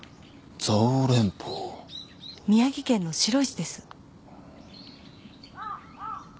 宮城県の白石です。